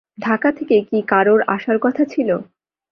ঢাকা থেকে কি কারোর আসার কথা ছিল?